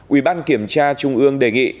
ub kiểm tra trung ương đề nghị